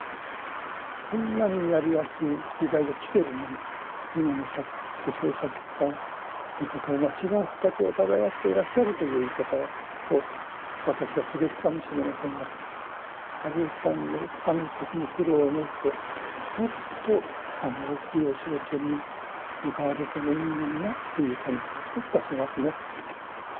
こんなにやりやすい時代が来てるのに今の女性作家の方は違う畑を耕していらっしゃるという言い方を私はすべきかもしれませんが有吉さんのあの時の苦労を思うともっと大きいお仕事に向かわれてもいいのになという感じはどっかしますね。